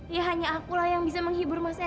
ya hanya akulah yang bisa menghibur mas eko